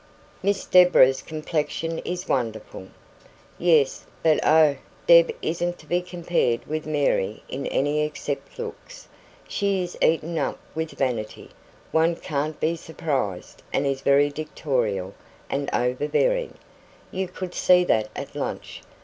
"Miss Deborah's complexion is wonderful." "Yes. But oh, Deb isn't to be compared with Mary in anything except looks. She is eaten up with vanity one can't be surprised and is very dictatorial and overbearing; you could see that at lunch.